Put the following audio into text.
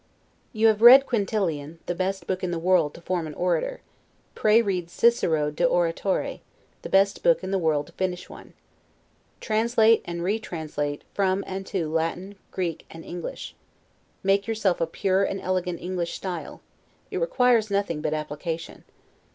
You have read "Quintilian," the best book in the world to form an orator; pray read 'Cicero de Oratore', the best book in the world to finish one. Translate and retranslate from and to Latin, Greek, and English; make yourself a pure and elegant English style: it requires nothing but application.